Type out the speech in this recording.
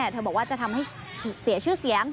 เธอบอกว่าจะทำให้เสียชื่อเสียง